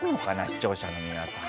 視聴者の皆さん。